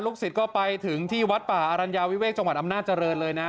ทุกสิทธิ์ก็ไปถึงที่วัดป่าอลัญญาวิเวกจังหวัดอำนาจรเนื่องเลยนะ